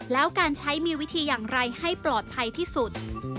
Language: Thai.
แล้วการใช้มีวิธีอย่างไรให้ปลอดภัยที่สุด